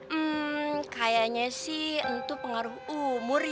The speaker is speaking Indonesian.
hmm kayaknya sih untuk pengaruh umur ya